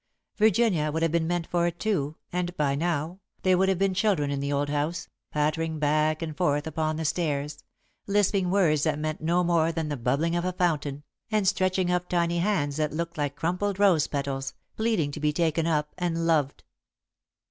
Virginia would have been meant for it, too, and, by now, there would have been children in the old house, pattering back and forth upon the stairs, lisping words that meant no more than the bubbling of a fountain, and stretching up tiny hands that looked like crumpled rose petals, pleading to be taken up and loved.